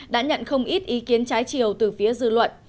đã nhận không ít ý kiến trái chiều từ phía dư luận